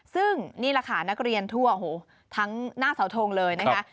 ซึ่งนี่แหละค่ะนักเรียนทั่วทั้งหน้าเสาทงเลยนะคะ